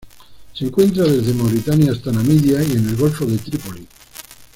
Se encuentra desde Mauritania hasta Namibia y en el Golfo de Trípoli.